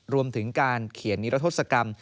รวมถึงการเขียนนิรทศกรรม